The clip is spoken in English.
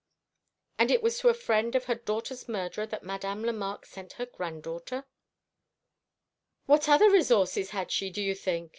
"And it was to a friend of her daughter's murderer that Madame Lemarque sent her granddaughter?" "What other resources had she, do you think?"